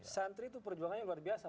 santri itu perjuangannya luar biasa